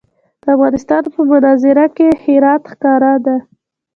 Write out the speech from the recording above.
د افغانستان په منظره کې هرات ښکاره دی.